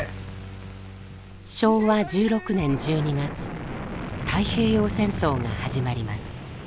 昭和１６年１２月太平洋戦争が始まります。